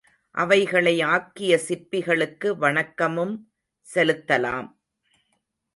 அவைகளை ஆக்கிய சிற்பிகளுக்கு வணக்கமும் செலுத்தலாம்.